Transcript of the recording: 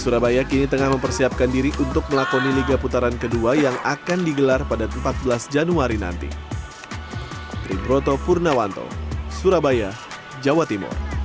surabaya kini tengah mempersiapkan diri untuk melakoni liga putaran kedua yang akan digelar pada empat belas januari nanti